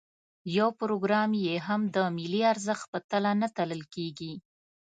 یو پروګرام یې هم د ملي ارزښت په تله نه تلل کېږي.